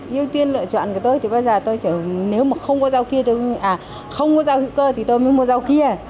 yêu tiên lựa chọn của tôi thì bây giờ tôi chờ nếu mà không có rau kia à không có rau hữu cơ thì tôi mới mua rau kia